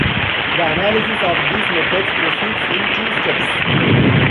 The analysis of these methods proceeds in two steps.